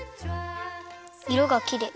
いろがきれい。